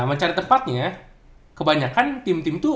nah mencari tempatnya kebanyakan tim tim tuh